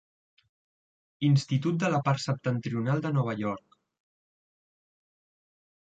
Institut de la part septentrional de Nova York.